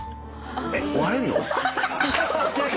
・割れんの！？